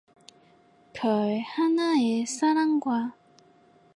별 하나에 사랑과